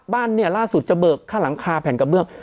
บ้านเนี่ยล่าสุดจะเบิกค่าหลังคาแผ่นกระเบื้อง